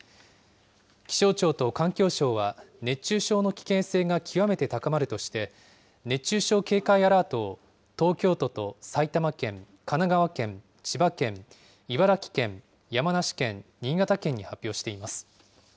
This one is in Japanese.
気象庁と環境省は、熱中症の危険性が極めて高まるとして、熱中症警戒アラートを東京都と埼玉県、神奈川県、千葉県、茨城県、山梨県、新潟県に発表しています。